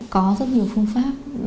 có rất nhiều phương pháp